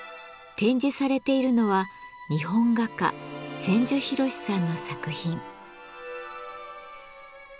展示されているのは日本画家・千住博さんの作品。